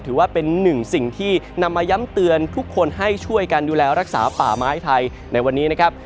ถือว่าเป็นหนึ่งสิ่งที่นำมาย้ำเตือนทุกคนให้ช่วยกันดูแลรักษาป่าไม้ไทยในวันนี้นะครับ